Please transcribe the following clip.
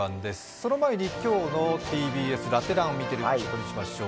その前に今日のＴＢＳラテ欄を見てみることにしましょう。